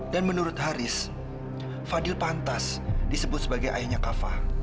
dan menurut haris fadil pantas disebut sebagai ayahnya kafa